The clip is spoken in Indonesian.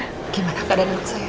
gimana keadaan emak saya